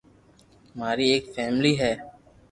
ماري ايڪ فآملي ھي